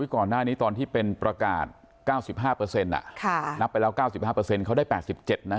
ก่อนหน้านี้ตอนที่เป็นประกาศ๙๕นับไปแล้ว๙๕เขาได้๘๗นะ